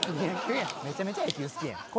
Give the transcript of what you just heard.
「めちゃめちゃ野球好きやん」